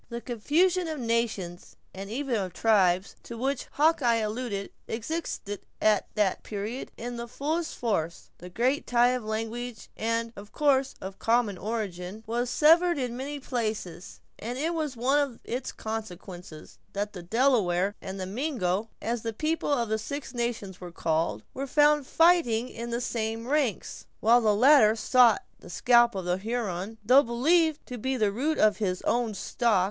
The confusion of nations, and even of tribes, to which Hawkeye alluded, existed at that period in the fullest force. The great tie of language, and, of course, of a common origin, was severed in many places; and it was one of its consequences, that the Delaware and the Mingo (as the people of the Six Nations were called) were found fighting in the same ranks, while the latter sought the scalp of the Huron, though believed to be the root of his own stock.